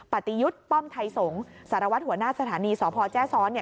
ปฏิยุทธ์ป้อมไทยสงศ์สารวัตรหัวหน้าสถานีสพแจ้ซ้อนเนี่ย